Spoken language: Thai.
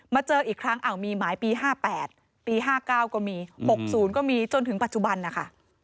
เจออีกครั้งมีหมายปี๕๘ปี๕๙ก็มี๖๐ก็มีจนถึงปัจจุบันนะคะ